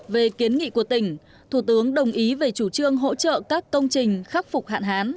về kiến nghị của tỉnh thủ tướng đồng ý về chủ trương hỗ trợ các công trình khắc phục hạn hán